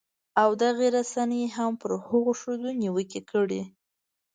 او دغې رسنۍ هم پر هغو ښځو نیوکې کړې